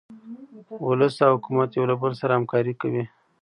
ولس او حکومت یو له بل سره همکاري کوي.